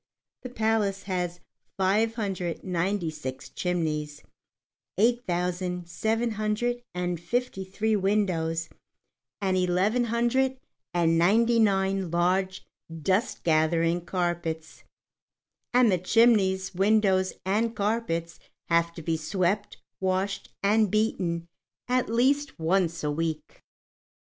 The palace has five hundred and ninety six chimneys, eight thousand, seven hundred and fifty three windows, and eleven hundred and ninety nine large dust gathering carpets, and the chimneys, windows, and carpets have to be swept, washed, and beaten at least once a week.